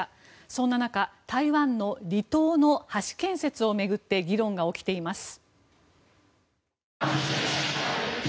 そんな中、台湾の離島の橋建設を巡って議論が起きています。